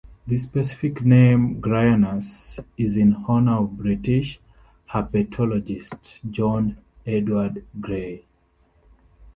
The specific name, "grayanus", is in honor of British herpetologist John Edward Gray.